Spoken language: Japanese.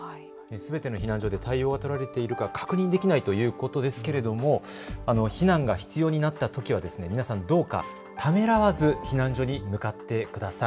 すべての避難所で対応が取られているか確認できないということですけれども避難が必要になったときは皆さん、どうかためらわず避難所に向かってください。